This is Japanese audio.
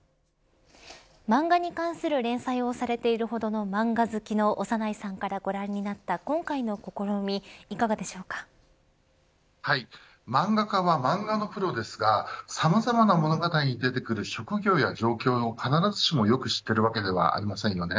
漫画に関する連載をされているほどの漫画好きの長内さんからご覧になった今回の試み漫画家は漫画のプロですがさまざまな物語に出てくる職業や状況を必ずしも良く知っているわけではありませんよね。